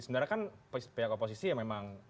sebenarnya kan pihak oposisi ya memang